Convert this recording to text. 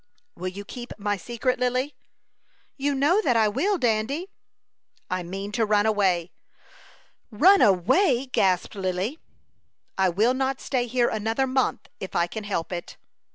"Will you keep my secret, Lily?" "You know that I will, Dandy." "I mean to run away." "Run away!" gasped Lily. "I will not stay here another month if I can help it."